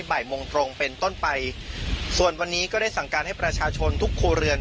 บ่ายโมงตรงเป็นต้นไปส่วนวันนี้ก็ได้สั่งการให้ประชาชนทุกครัวเรือน